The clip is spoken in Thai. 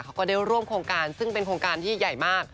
ก็ได้ร่วมโครงการซึ่งเป็นโครงการที่ใหญ่มาก